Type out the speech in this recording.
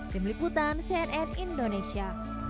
demikian cnn indonesia